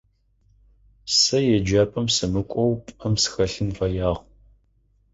Сэ еджапӏэм сымыкӏоу пӏэм сыхэлъын фэягъ.